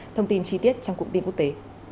thông tin chi tiết trong cụng tin quốc tế